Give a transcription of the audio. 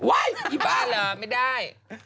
ว่าวอี้บ้าเหรอไม่ได้